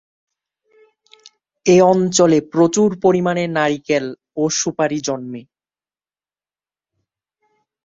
এ অঞ্চলে প্রচুর পরিমাণে নারিকেল ও সুপারি জন্মে।